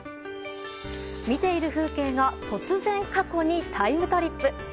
見ている風景が突然過去にタイムトリップ。